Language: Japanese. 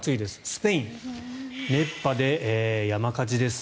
スペイン、熱波で山火事です。